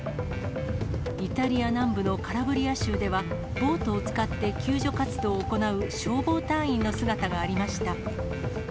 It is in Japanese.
イタリア南部のカラブリア州では、ボートを使って救助活動を行う消防隊員の姿がありました。